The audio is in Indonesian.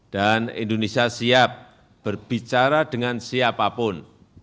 dan indonesia siap berbicara dengan siapapun